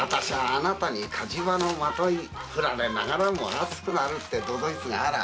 あなたに火事場の纏振られながらも熱くなる」って都々逸があらァな。